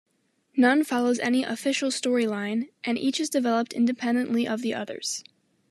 None follows any "official storyline," and each is developed independently of the others.